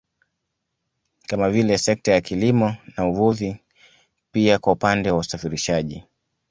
Kama vile sekta za kilimo na uvuvi pia kwa upande wa usafirishaji